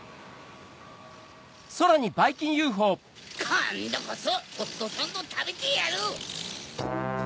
こんどこそホットサンドたべてやる！